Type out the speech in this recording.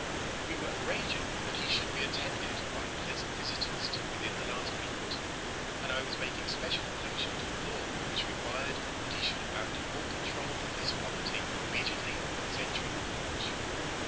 We were arranging that he should be attended by pleasant visitors till within the last week or two, and I was making special allusion to the law which required that he should abandon all control of his property immediately on his entering the college.